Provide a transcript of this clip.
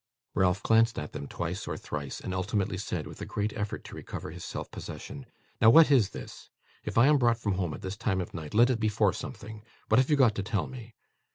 Ralph glanced at them twice or thrice, and ultimately said, with a great effort to recover his self possession, 'Now, what is this? If I am brought from home at this time of night, let it be for something. What have you got to tell me?